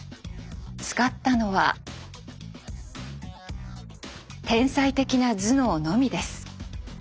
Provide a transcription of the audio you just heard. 使ったのは天才的な頭脳のみです。